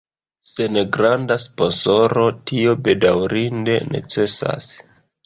Sen granda sponsoro tio bedaŭrinde necesas.